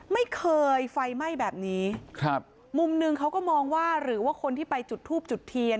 ไม่เคยไฟไหม้แบบนี้ครับมุมหนึ่งเขาก็มองว่าหรือว่าคนที่ไปจุดทูบจุดเทียน